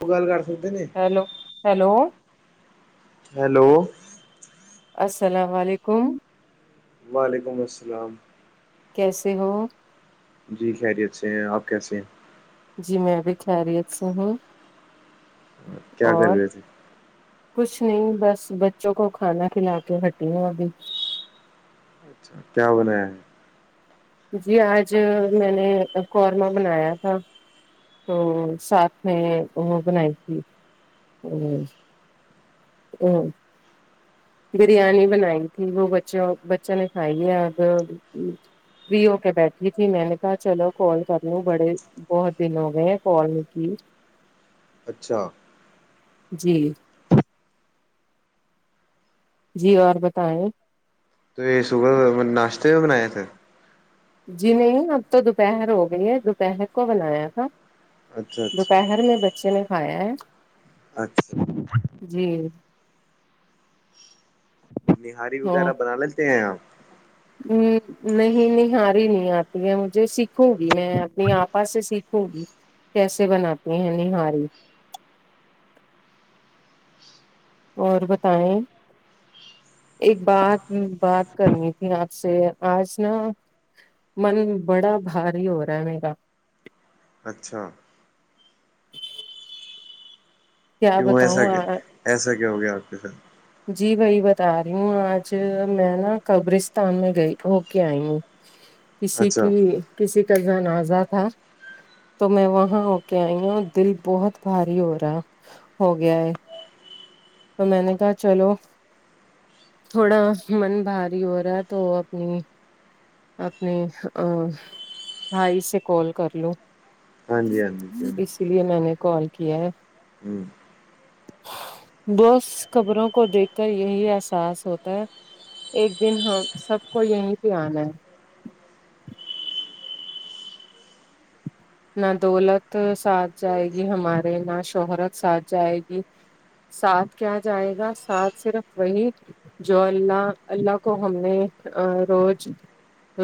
وہ گال کر سکتے ہیں [unintelligible] ہیلو ہیلو ہیلو السلام علیکم وعلیکم السلام کیسے ہو جی خیریت سے ہیں آپ کیسے ہیں جی میں بھی خیریت سے ہوں ہیں کیا کر اور رہے تھے کچھ نہیں بس بچوں کو کھانا کھلا کے ہٹی ہوں ابھی اچھا کیا بنایا ہے جی آج میں نے قورمہ بنایا تھا تو ساتھ میں وہ بنائی تھی امم ہوں بریانی بنائی تھی وہ بچوں بچوں نے کھائی ہے اب فری ہو کے بیٹھی تھی میں نے کہا چلو کال کرلوں بڑے بہت دن ہو گئے ہیں کال نہیں کی اچھا جی جی اور بتائیں تو یہ صبح کو ناشتے بھی بنائے تھے جی نہیں اب تو دوپہر ہو گئی ہے دوپہر کو بنایا تھا اچھا اچھا دوپہر میں بچے نے کھایا ہے اچھا جی نہاری وغیرہ بنا لیتے ہیں آپ ہوں نہیں نہاری نہیں آتی ہے مجھے سیکھوں گی میں اپنی آپا سے سیکھوں گی کیسے بناتی ہیں نہاری اور بتائیں ایک بات بات کرنی تھی آپ سے آج نا من بڑا بھاری ہو رہا ہے میرا اچھا کیا کیوں ایسا بتاؤں کیا آ- ایسا کیا ہو گیا آپ کے ساتھ جی وہی بتا رہی ہوں آج میں نا قبرستان میں گئی ہو کے آئی ہوں کسی اچھا کی کسی کا جنازہ تھا تو میں وہاں ہو کے آئی ہوں دل بہت بھاری ہو رہا ہو گیا ہے تو میں نے کہا چلو تھوڑا من بھاری ہو رہا ہے تو اپنی اپنے آں بھائی سے کال کر لوں ہاں جی ہاں جی کیوں نہیں اس لیے میں نے کال کیا ہے ہوں بس قبروں کو دیکھ کر یہی احساس ہوتا ہے ایک دن ہم سب کو یہیں پہ آنا ہے نہ دولت ساتھ جائے گی ہمارے نہ شہرت ساتھ جائے گی ساتھ کیا جائے گا ساتھ صرف وہی جو اللہ اللہ کو ہم نے روز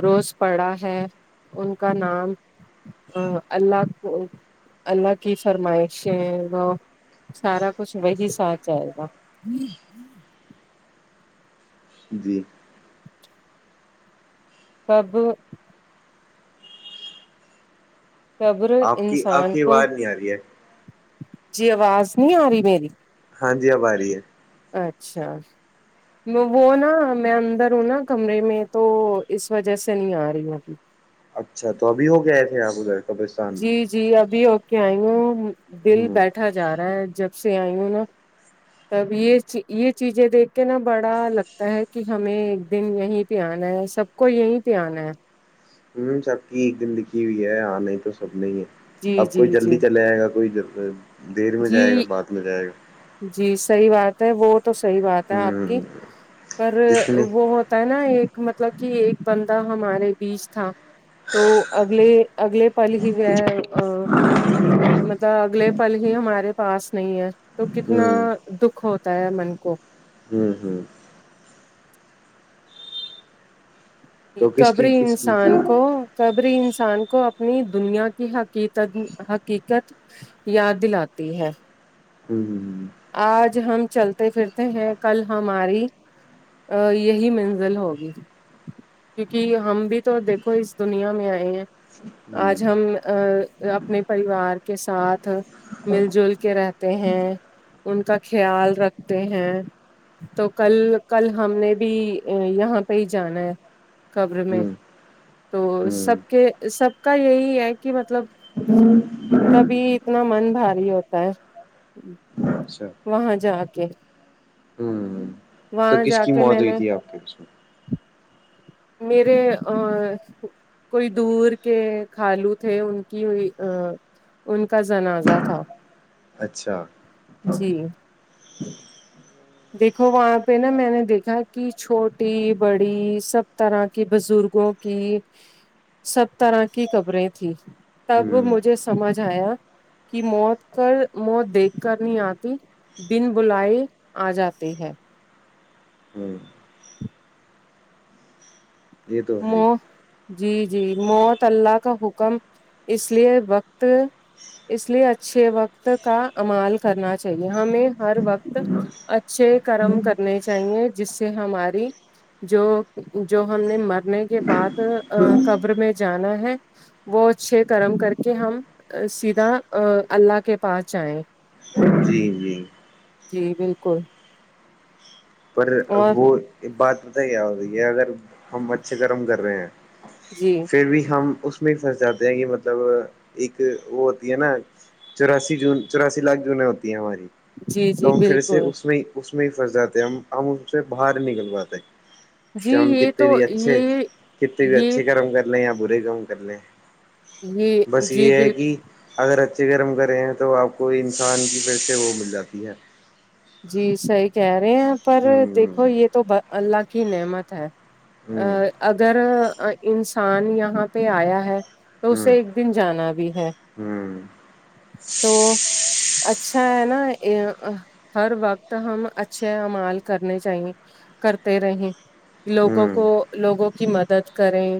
روز پڑا ہے ان کا نام آں اللہ کو اللہ کی فرمائشیں وہ سارا کچھ وہی ساتھ جائے گا جی قب قبر آپ کی آپ انسان کی کو آواز نہیں آ رہی ہے جی آواز نہیں آ رہی میری ہاں جی آب آ رہی ہے اچھا وہ نا میں اندر ہوں نا کمرے میں تو اس وجہ سے نہیں آ رہی ہوں گیی اچھا تو ابھی ہو کے آے تھے آپ ادھر قبرستان جی میں جی ابھی ہوکے آئی ہوں دل ہ بیٹھا جا رہا ہے جب سے آئی ہوں نا تب یہ یہ چیزیں دیکھ کے نا بڑا لگتا ہے کہ ہمیں ایک دن یہیں پے انا ہے سب کو یہی پے انا ہے سب کی زندگی بھی ہے آ نہیں تو سب نہیں ہے جی اب جی کوئی جلدی جی چلے جائے گا کوئی دیر میں جائے گا جی بعد میں جائے گا جی صحیح بات ہے وہ تو صحیح بات ہے آپ کی ہ پر جس نے وہ ہوتا ہے نا ایک مطلب کہ ایک بندہ ہمارے بیچ تھا تو اگلے اگلے پل ہی گیا ا مطلب اگلے پل یہ ہمارے پاس نہیں ہے تو کتنا ہ دکھ ہوتا ہے من کو ہوں ہوں تو کس کی قبری کس کی ہ انسان کو قبری انسان کو اپنی دنیا کی حقیقت حقیقت یاد دلاتی ہے ہوں آج ہم چلتے پھرتے ہیں کل ہماری یہی منزل ہوگی کیونکہ ہم بھی تو دیکھو اس دنیا میں آئے ہیں آج ہم اپنے پریوار کے ساتھ مل جل کے رہتے ہیں ان کا خیال رکھتے ہیں تو کل کل ہم نے بھی یہاں پہ ہی جانا ہے خبر میں ہ تو ہ سب کے سب کا یہی ہے کہ مطلب تبھی اتنا من بھاری ہوتا ہے وہاں جا کے ہوں تو وہاں کس جا کی کے موت میں ہوئی نے تھی آپ کے اس میں میرے ا کوئی دور کے قالو تھے ان کی ہوئی ان کا جنازہ تھا اچھا جی دیکھو وہاں پہ نا میں نے دیکھا کہ چھوٹی بڑی سب طرح کے بزرگوں کہ سب طرح کی خبریں تھی ہ تب مجھے سمجھ آیا کی موت کر موت دیکھ کر نہیں آتی دن بلائے آ جاتی ہے ہوں یہ تو ہے ہی۔ موت جی جی موت اللہ کا حکم اس لیے وقت اس لیے اچھے وقت کا امال کرنا چاہیے ہمیں ہر وقت اچھے کرم کرنے چاہیے جس سے ہماری جو جو ہم نے مرنے کے بعد قبر میں جانا ہے وہ اچھے کرم کر کے ہم سیدھا اللہ کے پاس جائیں جی جی جی بالکل پر اور وہ بات نہی ہی ابھی اگر ہم اچھے کرم کر رہے ہیں جی پھر بھی ہم اس میں پھنس جاتے ہیں کہ مطلب ایک وہ ہوتی ہے نا چوراسی جون چوراسی لاکھ جونیں ہوتی ہیں ہماری جی جی تو ہم پھر سے بالکل اس میں اس میں ہی پھنس جاتے ہم ہم اس سے باہر نہی نکل پاتے جی تو ہم یہ کتے تو بھی اچھے یہ کتے بھی یہ اچھے کرم کر لیں یا برے کام کر لیں یہ بس جی یہ ہے بالکل کہ اگر اچھے کرم کریں ہیں تو آپ کو انسان کی فرش سے وہ مل جاتی ہے جی صحیح کہہ رہے ہیں پر ہوں دیکھو یہ تو اللہ کی نعمت ہے ا ہوں اگر انسان یہاں پہ آیا ہے تو اسے ہوں ایک دن جانا بھی ہے ہوں تو اچھا ہے نا اے ہر وقت ہم اچھے اعمال کرنے چاہیے کرتے رہیں لوگوں ہوں کو لوگوں کی مدد کریں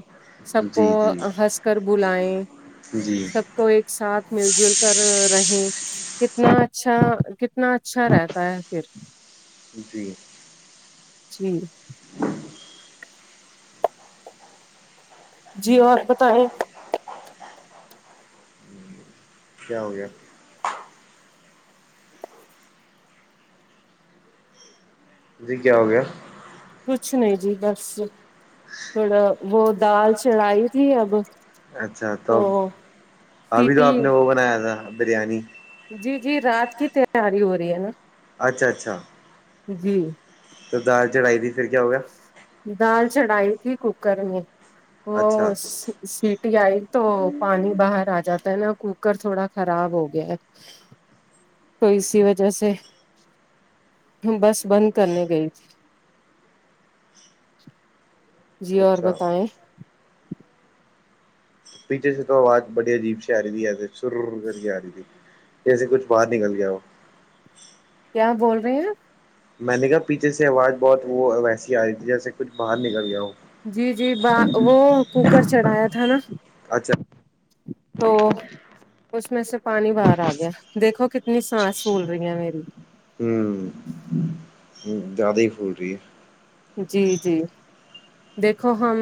سب کو جی جی ہنس کر بلائیں جی سب کو ایک ساتھ مل جل کر رہیں کتنا اچھا کتنا اچھا رہتا ہے پھر جی جی جی اور بتائیں کیا ہو گیا جی کیا ہو گیا کچھ نہیں جی بس تھوڑا وہ دال چڑھائی تھی اب اچھا تب تو ابھی تو سیٹی آپ نے وہ بنایا تھا بریانی جی جی رات کی تیاری ہو رہی ہے نا اچھا اچھا جی تو دال چڑھائی تھی پھر کیا ہوگیا دال چڑھائی تھی کوکر میں وہ اچھا سسی ٹی آئی تو پانی باہر آ جاتا ہے نا کوکر تھوڑا خراب ہو گیا ہے تو اسی وجہ سے بس بند کرنے گئی تھی جی اور اچھا بتائیں پیچھے سے تو آواز بڑی عجیب سے آ رہی تھی سرر کرکے آ رہی تھی جیسے کچھ باہر نکل گیا ہو کیا بول رہے ہیں آپ میں نے کہا پیچھے سے آواز بہت وہ ویسی آ رہی تھی جیسے کچھ باہر نکل گیا ہو جی جی ب وہ کوکر چڑھایا تھا نا اچھا تو اس میں سے پانی باہر آ گیا دیکھو کتنی سانس پھول رہی ہے میری ہوں ہ زیادہ ہی پھول رہی ہے جی جی دیکھو ہم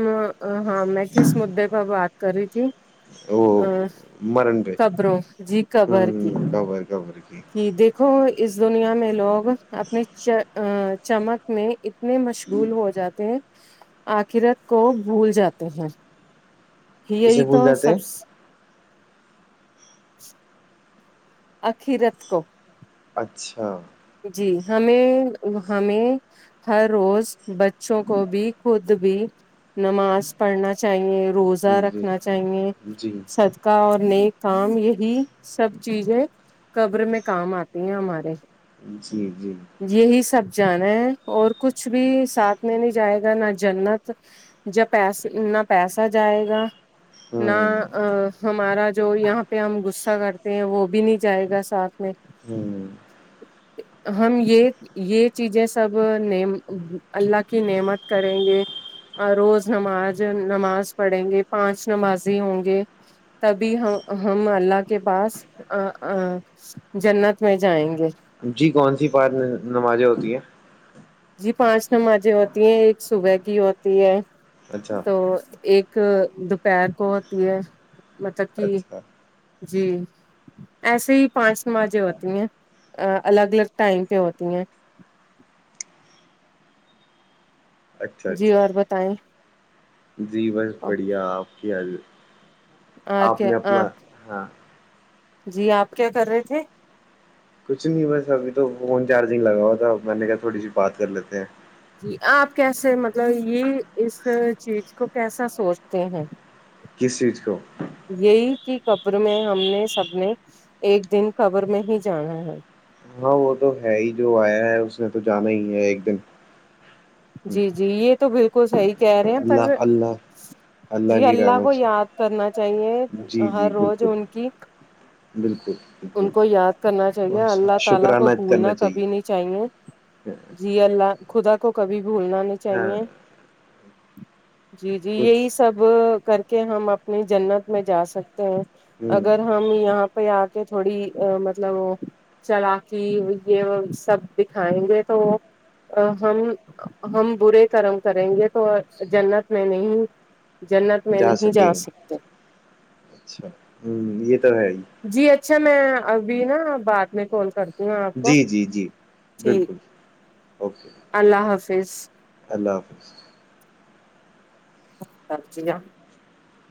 ہاں میں کس مدے پر بات کر رہی تھی ہے وہ ا مرن پہ قبروں جی قبر کی ہوں کور کور کی دیکھ دیکھو اس دنیا میں لوگ اپنی چہ چمک میں اتنے مشغول ہو جاتے ہیں آخرت کو بھول جاتے ہیں کسے یہی بھول تو جاتے سب ہیں آخرت کو اچھا جی ہمیں ہمیں ہر روز بچوں کو بھی خود بھی نماز پڑھنا چاہیے روزہ جی رکھنا چاہیے جی سد کا اور نیک کام یہی سب چیزیں قبر میں کام آتی ہیں ہمارے جی جی یہی سب جانے ہیں اور کچھ بھی ساتھ میں نہیں جائے گا نہ جنت جب پیس نہ پیسہ جائے گا نہ ہاں ا ہمارا جو یہاں پہ ہم غصہ کرتے ہیں وہ بھی نہیں جائے گا ساتھ میں ہوں ہم یہ یہ چیزیں سب ن اللہ کی نعمت کریں گے روز نماز نماز پڑھیں گے پانچ نمازی ہوں گے تبھی ہم ہم اللہ کے پاس ا جنت میں جائیں گے جی کون سی بات نمازیں ہوتی ہے جی پانچ نمازیں ہوتی ہیں ایک صبح کی ہوتی ہے اچھا تو ایک دوپہر کو ہوتی ہے مطلب کہ اچھا جی ایسے ہی پانچ نمازے ہوتی ہیں الگ الگ ٹائم پہ ہوتی ہیں اچھا جی اچھا اور بتائیں جی بس بڑھیا آپ کی حض آپ کیا نے اپنا آپ ہاں جی آپ کیا کر رہے تھے کچھ نہیں بس ابھی تو فون چارجنگ لگا ہوا تھا میں نے کہا تھوڑی سی بات کر لیتے ہیں جی آپ کیسے مطلب یہ اس چیز کو کیسا سوچتے ہیں کیس چیز کو یہی کہ قبر میں ہم نے سب نے ایک دن قبر میں ہی جانا ہے ہاں وہ تو ہے ہی جو آیا ہے اس نے تو جانا ہی ہے ایک دن جی جی یہ تو بالکل صحیی کہہ رہے ہیں پر اللہ اللہ جی کی اللہ کو رحمت سے یاد کرنا چاہیے جی جی ہر روز بالکل ان کی بالکل ان بالکل کو یاد کرنا چاہیے بس اللہ تعالی کو شکرانہ کرنا بھولنا چاہیے کبھی نہیں چاہیے [inaudible] جی اللہ خدا کو کبھی بھولنا نہیں ہاں چاہیے جی جی خود یہی سب کر کے ہم اپنی جنت میں جا سکتے ہیں ہ اگر ہم یہاں پہ آ کے تھوڑی مطلب چلاکی یہ سب دکھائیں گے تو ہم ہم برے کرم کریں گے تو جنت میں نہیں جنت میں جا نہیں سکے سکتے اچھا ہمم یہ تو ہے جی اچھا میں ابھی نا بعد میں کال کرتی آپ کو جی جی جی ٹھیک بالکل اوکے اللہ حافظ اللہ حافظ [unintelligible]